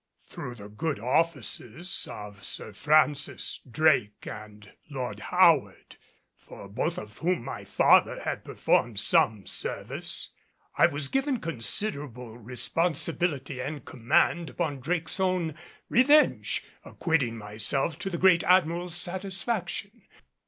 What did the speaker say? Through the good offices of Sir Francis Drake and Lord Howard, for both of whom my father had performed some service, I was given considerable responsibility and command upon Drake's own Revenge, acquitting myself to the great Admiral's satisfaction.